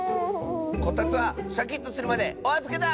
こたつはシャキッとするまでおあずけだ！